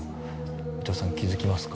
伊東さん気づきますか？